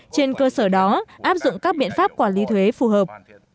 trên cơ sở đó áp dụng các biện pháp quản lý thuế phù hợp